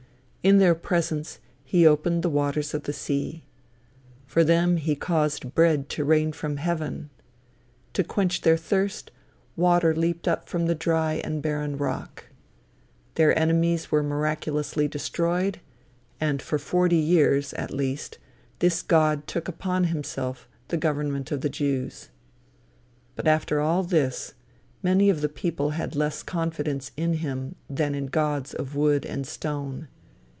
In their presence he opened the waters of the sea. For them he caused bread to rain from heaven. To quench their thirst, water leaped from the dry and barren rock. Their enemies were miraculously destroyed; and for forty years, at least, this God took upon himself the government of the Jews. But, after all this, many of the people had less confidence in him than in gods of wood and stone.